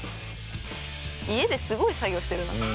家ですごい作業してるな。